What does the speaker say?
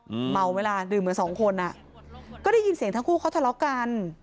เมาไหมล่ะดื่มเหมือนสองคนอ่ะก็ได้ยินเสียงทั้งคู่เขาทะเลาะกัน